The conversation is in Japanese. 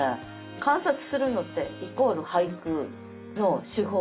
観察するのってイコール俳句の手法なので。